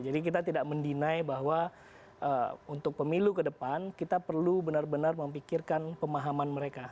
jadi kita tidak mendinai bahwa untuk pemilu kedepan kita perlu benar benar memikirkan pemahaman mereka